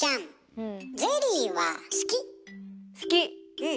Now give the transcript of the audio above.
うん。